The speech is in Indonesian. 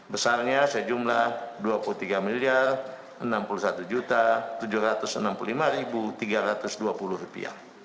besarnya sejumlah rp dua puluh tiga rp enam puluh satu tujuh ratus enam puluh lima tiga ratus dua puluh